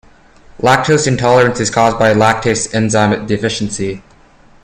Lactose intolerance is caused by a lactase enzyme deficiency.